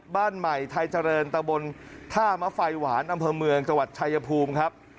บ้านใหม่ไทยเจริญตะบนท่ามะไฟหวานอำเภอเมืองจังหวัดชายภูมิครับ